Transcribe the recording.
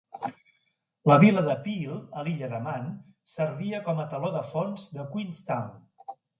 La vila de Peel a l'illa de Man servia com a teló de fons de Queenstown.